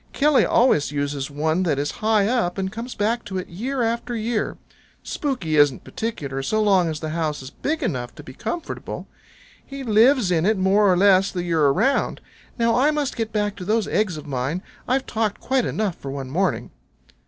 Killy always uses one that is high up, and comes back to it year after year. Spooky isn't particular so long as the house is big enough to be comfortable. He lives in it more or less the year around. Now I must get back to those eggs of mine. I've talked quite enough for one morning."